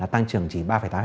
tăng trưởng chỉ ba tám